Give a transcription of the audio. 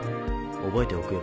覚えておくよ。